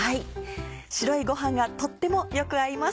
白いご飯がとってもよく合います。